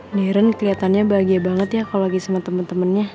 niren keliatannya bahagia banget ya kalo lagi sama temen temennya